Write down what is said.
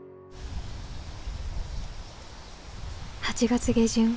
８月下旬。